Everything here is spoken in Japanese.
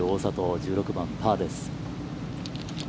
１６番、パーです。